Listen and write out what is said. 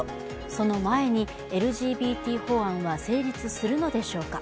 その前にＬＧＢＴ法案は成立するのでしょうか。